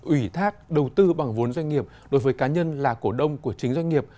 ủy thác đầu tư bằng vốn doanh nghiệp đối với cá nhân là cổ đông của chính doanh nghiệp